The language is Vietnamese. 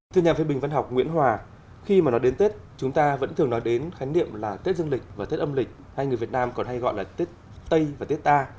thưa nhà phê bình văn học nguyễn hòa khi mà nói đến tết chúng ta vẫn thường nói đến khái niệm là tết dương lịch và tết âm lịch hai người việt nam còn hay gọi là tết tây và tết ta